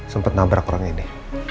sempet nabrak orang ini